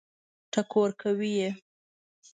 ټکور کوي یې.